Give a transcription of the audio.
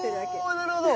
おなるほど。